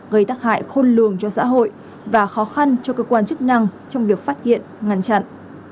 gây tắc hại khôn lường cho xã hội và khó khăn cho cơ quan chức năng trong việc phát hiện ngăn chặn